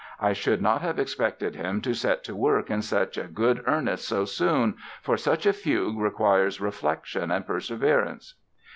I should not have expected him to set to work in such good earnest so soon, for such a fugue requires reflection and perseverance".